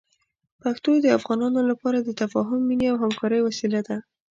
پښتو د افغانانو لپاره د تفاهم، مینې او همکارۍ وسیله ده.